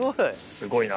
すごいな。